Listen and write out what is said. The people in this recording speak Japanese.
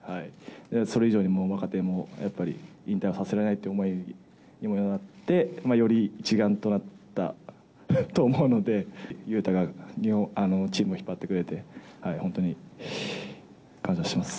それ以上に若手も、やっぱり引退をさせないという思いもあって、より一丸となったと思うので、雄太がチームを引っ張ってくれて、本当に感謝してます。